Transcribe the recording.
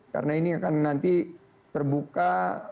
karena ini akan nanti terbuka